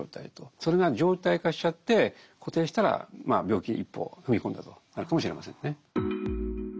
それが常態化しちゃって固定したら病気に一歩踏み込んだとなるかもしれませんね。